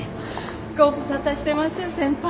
ご無沙汰してます先輩。